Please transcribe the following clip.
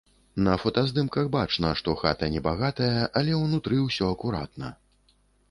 На фотаздымках бачна, што хата небагатая, але ўнутры ўсё акуратна.